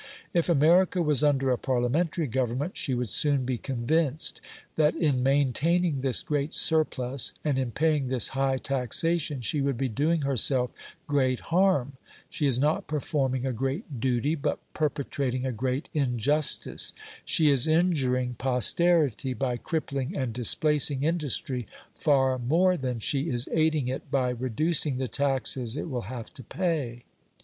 If America was under a Parliamentary government, she would soon be convinced that in maintaining this great surplus and in paying this high taxation she would be doing herself great harm. She is not performing a great duty, but perpetrating a great injustice. She is injuring posterity by crippling and displacing industry, far more than she is aiding it by reducing the taxes it will have to pay.